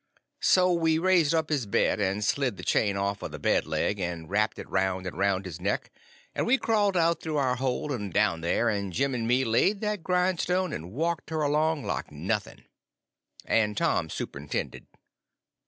So he raised up his bed and slid the chain off of the bed leg, and wrapt it round and round his neck, and we crawled out through our hole and down there, and Jim and me laid into that grindstone and walked her along like nothing; and Tom superintended.